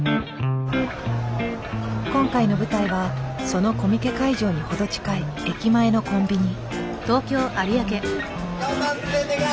今回の舞台はそのコミケ会場に程近い駅前のコンビニ。